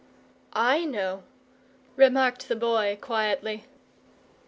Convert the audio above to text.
"I know," remarked the Boy, quietly.